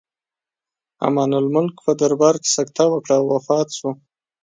امان الملک په دربار کې سکته وکړه او وفات شو.